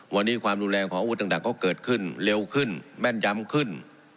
วันนี้ความรุนแรงของอาวุธต่างก็เกิดขึ้นเร็วขึ้นแม่นย้ำขึ้น